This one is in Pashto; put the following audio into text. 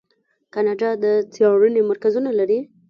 کاناډا د څیړنې مرکزونه لري.